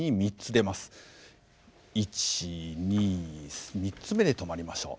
１２３つ目で止まりましょう。